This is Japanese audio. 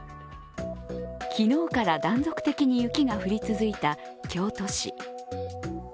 昨日から断続的に雪が降り続いた京都市。